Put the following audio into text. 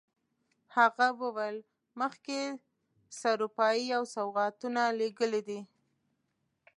هغه وویل مخکې سروپايي او سوغاتونه لېږلي دي.